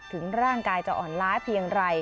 ถึงร่างกายจะอ่อนล้าเพียงไร